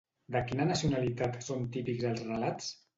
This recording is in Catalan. De quina nacionalitat són típics els relats?